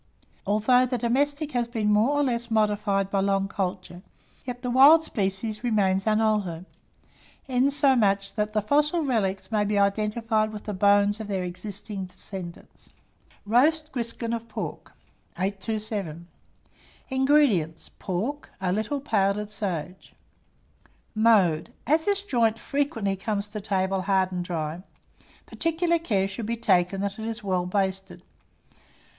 Although the domestic has been more or less modified by long culture, yet the wild species remains unaltered, insomuch that the fossil relics may be identified with the bones of their existing descendants. ROAST GRISKIN OF PORK. 827. INGREDIENTS. Pork; a little powdered sage. [Illustration: SPARE RIB OF PORK.] [Illustration: GRISKIN OF PORK.] Mode. As this joint frequently comes to table hard and dry, particular care should be taken that it is well basted.